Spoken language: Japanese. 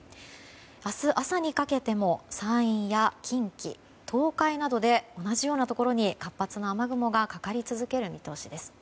明日朝にかけても山陰や近畿、東海などで同じようなところに活発な雨雲がかかり続ける見通しです。